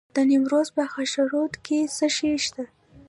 د نیمروز په خاشرود کې څه شی شته؟